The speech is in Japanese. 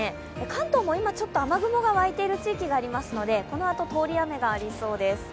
関東も今ちょっと雨雲が湧いている地域がありますので、このあと通り雨がありそうです。